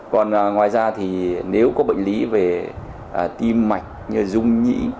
còn ngoài ra thì nếu có bệnh lý về tim mạch như dưới